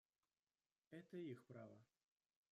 Это их право.